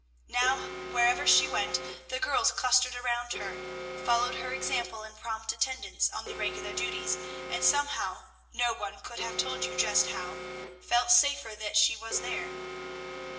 Now, wherever she went, the girls clustered around her, followed her example in prompt attendance on the regular duties, and somehow, no one could have told you just how, felt safer that she was there.